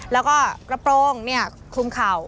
แล้วก็กระโปรงคลุมเข่า